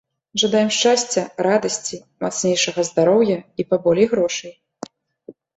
Жадаем шчасця, радасці, мацнейшага здароўя і паболей грошай!